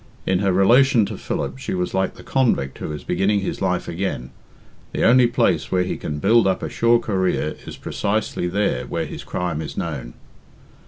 In her relation to Philip she was like the convict who is beginning his life again the only place where he can build up a sure career is precisely there where his crime is known.